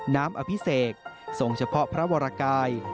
๒น้ำอภิเษกส่งเฉพาะพระวรกาย